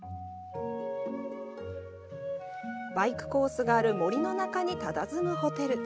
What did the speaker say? バイクコースがある森の中にたたずむホテル。